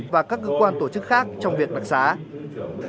và các cơ quan tổ chức khác trong việc đặc sán